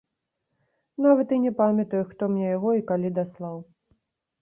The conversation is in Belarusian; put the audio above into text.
Нават і не памятаю, хто мне яго і калі даслаў.